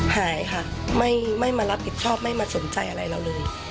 หายค่ะไม่มารับผิดชอบไม่มาสนใจอะไรเราเลย